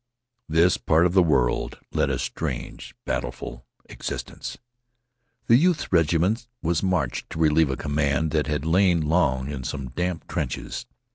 This part of the world led a strange, battleful existence. The youth's regiment was marched to relieve a command that had lain long in some damp trenches.